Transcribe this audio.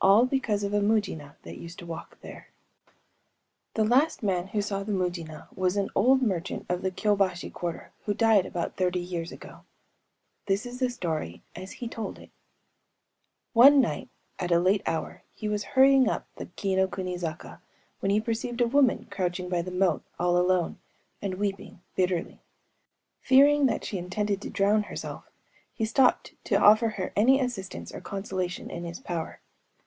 All because of a Mujina that used to walk there. (1) The last man who saw the Mujina was an old merchant of the KyŇćbashi quarter, who died about thirty years ago. This is the story, as he told it:‚ÄĒ One night, at a late hour, he was hurrying up the Kii no kuni zaka, when he perceived a woman crouching by the moat, all alone, and weeping bitterly. Fearing that she intended to drown herself, he stopped to offer her any assistance or consolation in his power.